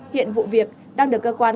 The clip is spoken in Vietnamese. hiện vụ việc đang được cơ quan